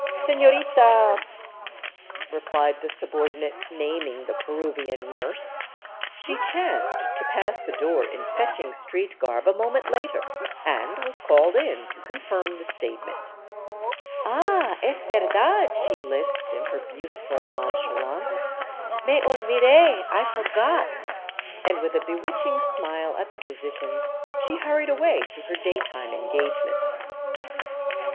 " Senorita ," replied the subordinate, naming the Peruvian nurse. She chanced to pass the door in fetching street garb a moment later, and was called in to confirm the statement. " Ah, es verdad !" she lisped, in her beautiful nonchalance, " Me olvide — I forgot," and with a bewitching smile at the physicians she hurried away to her daytime engagements.